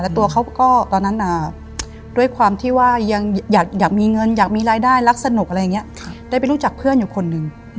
ตัวเขาก็ตอนนั้นด้วยความที่ว่ายังอยากมีเงินอยากมีรายได้รักสนุกอะไรอย่างนี้ได้ไปรู้จักเพื่อนอยู่คนหนึ่ง